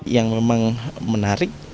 yang memang menarik